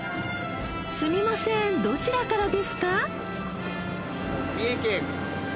すみませんどちらからですか？